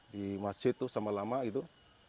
di masjid itu sama lama itu